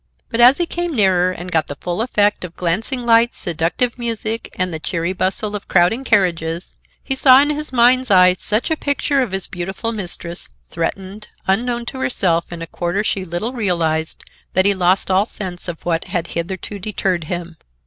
But as he came nearer and got the full effect of glancing lights, seductive music, and the cheery bustle of crowding carriages, he saw in his mind's eye such a picture of his beautiful mistress, threatened, unknown to herself, in a quarter she little realized, that he lost all sense of what had hitherto deterred him.